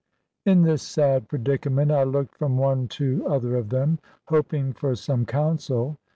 In this sad predicament, I looked from one to other of them, hoping for some counsel.